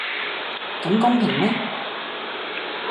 咁公平咩?